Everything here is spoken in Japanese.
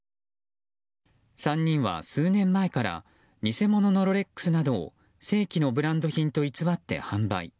３人は、数年前から偽物のロレックスなどを正規のブランド品と偽って販売。